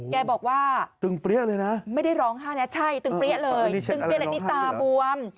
แกบอกว่าไม่ได้ร้องไห้นะตึงเปรี้ยเลยตึงเปรี้ยเลยตาบวม